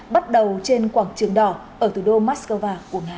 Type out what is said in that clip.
bắt đầu trên quảng trường đỏ ở thủ đô moscow của nga